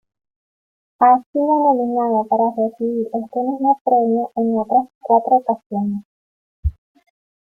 Ha sido nominado para recibir este mismo premio en otras cuatro ocasiones.